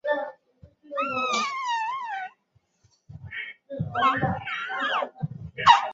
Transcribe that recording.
后来笃信天主教的詹姆斯二世因为光荣革命遭到推翻。